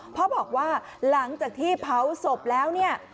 เพราะบอกว่าหลังจากที่เผาศพแล้วเนี่ย